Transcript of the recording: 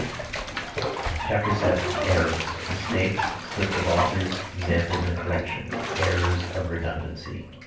CHAPTER VII ERRORS Mistakes Slips of Authors Examples and Corrections Errors of Redundancy.